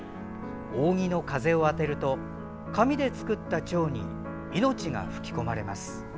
扇の風を当てると紙で作ったちょうに命が吹き込まれます。